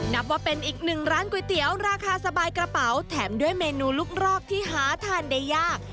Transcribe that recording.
นับว่าเป็นอีกหนึ่งร้านก๋วยเตี๋ยวราคาสบายกระเป๋าแถมด้วยเมนูลูกรอกที่หาทานได้ยาก